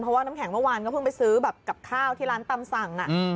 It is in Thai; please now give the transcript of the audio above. เพราะว่าน้ำแข็งเมื่อวานก็เพิ่งไปซื้อแบบกับข้าวที่ร้านตำสั่ง